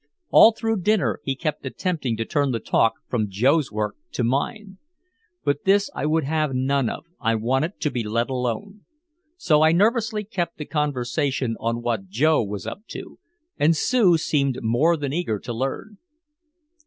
All through dinner he kept attempting to turn the talk from Joe's work to mine. But this I would have none of, I wanted to be let alone. So I nervously kept the conversation on what Joe was up to. And Sue seemed more than eager to learn.